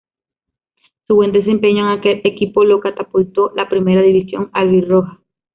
Su buen desempeño en aquel equipo lo catapultó a la Primera División albirroja.